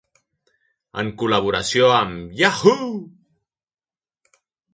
En col·laboració amb Yahoo!